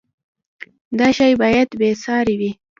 دا شی باید بې ساری وي.